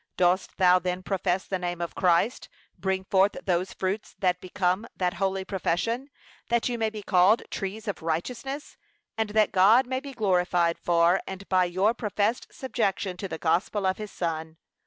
Dost thou then profess the name of Christ: bring forth those fruits that become that holy profession, that you may be called 'trees of righteousness,' and that God may be glorified for and by your professed subjection to the gospel of his Son.